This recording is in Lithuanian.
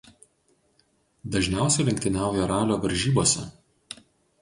Dažniausiai lenktyniauja ralio varžybose.